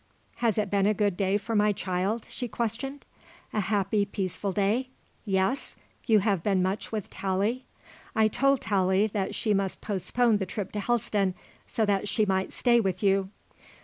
"Has it been a good day for my child?" she questioned; "a happy, peaceful day? Yes? You have been much with Tallie? I told Tallie that she must postpone the trip to Helston so that she might stay with you."